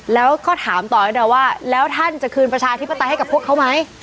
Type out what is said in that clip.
แล้วก็ถามต่อให้เราว่าแล้วท่านจะคืนประชาธิปไตยให้กับพวกเขาไหม